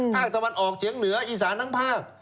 ภาคตะวันออกเฉียงเหนืออีสานทั้งภาค